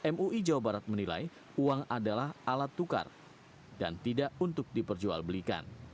mui jawa barat menilai uang adalah alat tukar dan tidak untuk diperjualbelikan